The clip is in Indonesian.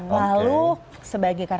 lalu sebagai sumber karbohidrat